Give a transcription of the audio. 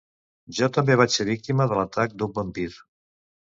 Jo també vaig ser víctima de l'atac d'un vampir.